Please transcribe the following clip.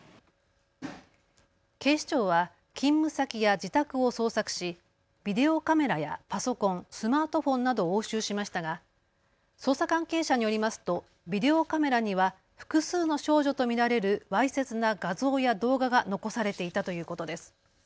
警視庁は勤務先や自宅を捜索しビデオカメラやパソコン、スマートフォンなどを押収しましたが捜査関係者によりますとビデオカメラには複数の少女と見られるわいせつな画像や動画が残されていたということです。